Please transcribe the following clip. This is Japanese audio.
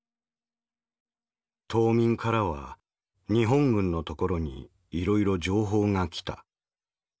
「島民からは日本軍のところにいろいろ情報がきた。